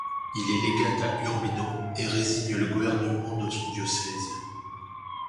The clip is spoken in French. Il est légat à Urbino et résigne le gouvernement de son diocèse.